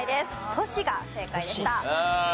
都市が正解でした。